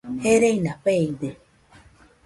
Gereina feide